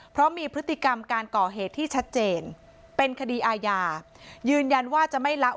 เพราะมีพฤติกรรมการก่อเหตุที่ชัดเจนเป็นคดีอาญา